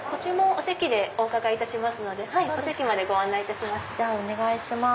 お席でお伺いいたしますのでお席までご案内いたします。